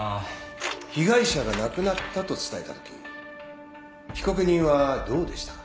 被害者が亡くなったと伝えたとき被告人はどうでしたか。